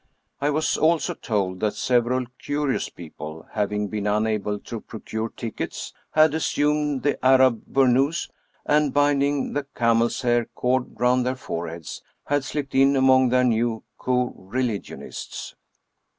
I was also told that several curious people, having been, unable to procure tickets, had assumed the Arab burnous, and, binding the camel's hair cord round their foreheads, had slipped in among their new coreligionists.